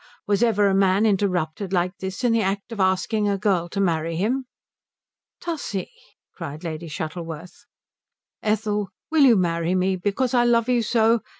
Was ever a man interrupted like this in the act of asking a girl to marry him?" "Tussie!" cried Lady Shuttleworth. "Ethel, will you marry me? Because I love you so?